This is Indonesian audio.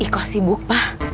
kok sibuk pak